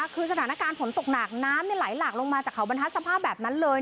คือสถานการณ์ฝนตกหนักน้ำไหลหลากลงมาจากเขาบรรทัศน์แบบนั้นเลย